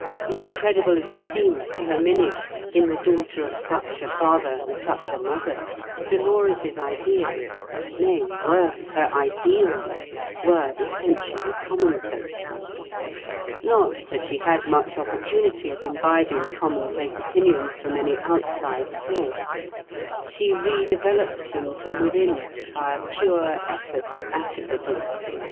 Incredible as it seemed to Herminia, in the daughter of such a father and such a mother, Dolores' ideas—nay, worse, her ideals—were essentially commonplace. Not that she had much opportunity of imbibing commonplace opinions from any outside source; she redeveloped them from within by a pure effort of atavism.